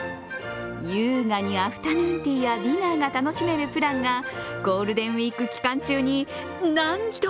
優雅にアフタヌーンティーやディナーが楽しめるプランがゴールデンウイーク期間中になんと